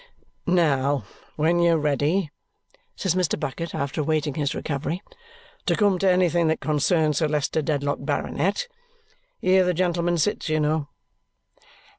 "Now, when you're ready," says Mr. Bucket after awaiting his recovery, "to come to anything that concerns Sir Leicester Dedlock, Baronet, here the gentleman sits, you know."